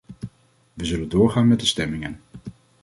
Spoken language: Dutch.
We zullen doorgaan met de stemmingen.